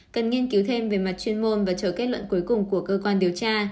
cần nghiên cứu thêm về mặt chuyên môn và chờ kết luận cuối cùng của cơ quan điều tra